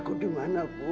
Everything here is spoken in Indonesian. kata dokter pak masyarakat